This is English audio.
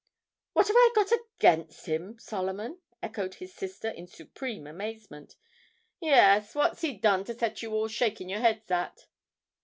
'What have I got against him, Solomon?' echoed his sister in supreme amazement. 'Yes; what's he done to set you all shaking your heads at?'